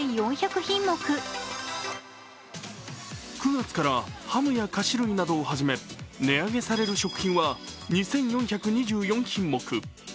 ９月からハムや菓子類をはじめ値上げされる食品は２４２４品目。